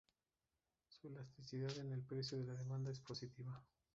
Su elasticidad en el precio de la demanda es positiva.